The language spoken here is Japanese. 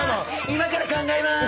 今から考えまーす！